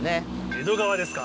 江戸川ですか。